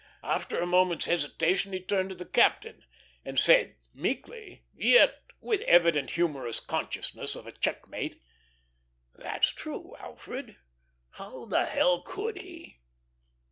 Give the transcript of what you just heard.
After a moment's hesitation he turned to the captain, and said meekly, yet with evident humorous consciousness of a checkmate, "That's true, Alfred; how the h l could he?"